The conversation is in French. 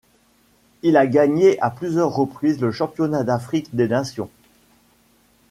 Il a gagné à plusieurs reprises le Championnat d'Afrique des nations.